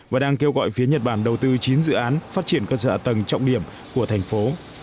và đang kêu gọi phía nhật bản đầu tư chín dự án phát triển cơ sở ạ tầng trọng điểm của thành phố